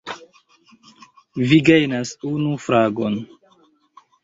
Vi gajnas unu fragon!